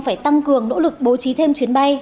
phải tăng cường nỗ lực bố trí thêm chuyến bay